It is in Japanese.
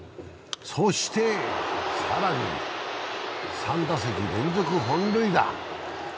そして更に３打席連続本塁打。